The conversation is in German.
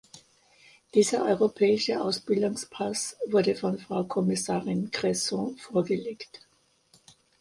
Dieser europäische Ausbildungspass wurde von Frau Kommissarin Cresson vorgelegt.